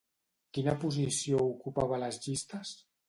Quina posició ocupava a les llistes?